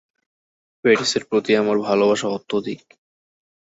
প্যারিসের প্রতি আমার ভালোবাসা অত্যধিক।